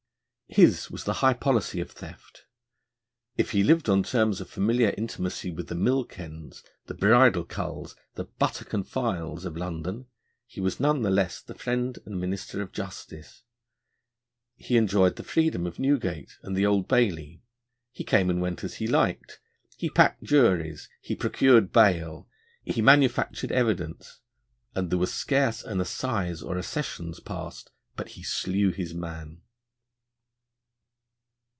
His was the high policy of theft. If he lived on terms of familiar intimacy with the mill kens, the bridle culls, the buttock and files of London, he was none the less the friend and minister of justice. He enjoyed the freedom of Newgate and the Old Bailey. He came and went as he liked: he packed juries, he procured bail, he manufactured evidence; and there was scarce an assize or a sessions passed but he slew his man.